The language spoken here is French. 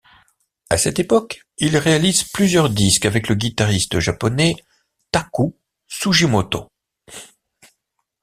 À cette époque il réalise plusieurs disques avec le guitariste japonais Taku Sugimoto.